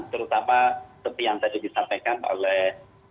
terutama seperti yang tadi disampaikan oleh